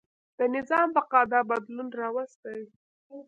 د نظام بقا دا بدلون راوستی.